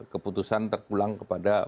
keputusan terkulang kepada